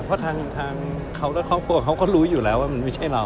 เพราะทางเขาและครอบครัวเขาก็รู้อยู่แล้วว่ามันไม่ใช่เรา